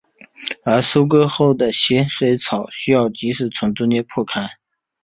而收割后的咸水草需要即时从中间破开。